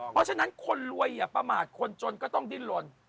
เพราะฉะนั้นคนรวยอย่าประมาทคนจนก็ต้องดิ้นลน